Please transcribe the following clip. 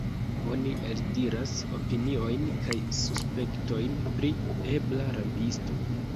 Oni eldiras opiniojn kaj suspektojn pri ebla rabisto.